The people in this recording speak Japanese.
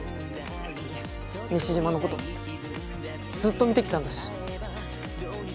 西島の事ずっと見てきたんだし。